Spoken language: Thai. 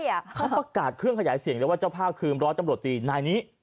เขาประกาศเครื่องขยายเสียงเลยว่าเจ้าภาพคือร้อยตำรวจตีนายนี้